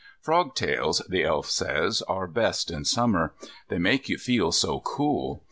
Frog tales, the Elf says, are best in summer, "they make you feel so cool."